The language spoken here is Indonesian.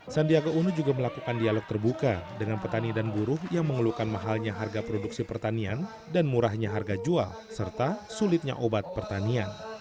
sandiaga uno juga melakukan dialog terbuka dengan petani dan buruh yang mengeluhkan mahalnya harga produksi pertanian dan murahnya harga jual serta sulitnya obat pertanian